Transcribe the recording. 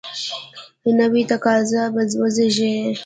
نوي تقاضا به وزیږي.